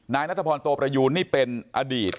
นัทพรโตประยูนนี่เป็นอดีต